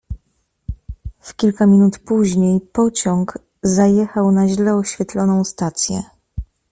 "W kilka minut później pociąg zajechał na źle oświetloną stację."